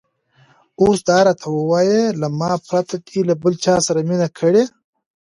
اوس دا راته ووایه، له ما پرته دې له بل چا سره مینه کړې؟